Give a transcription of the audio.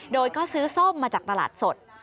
โดยก็ซื้อส้มมาจากตลาดสด